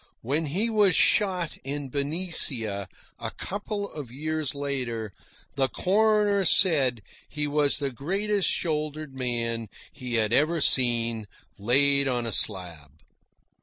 When he was shot in Benicia, a couple of years later, the coroner said he was the greatest shouldered man he had ever seen laid on a slab.